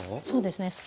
そうですね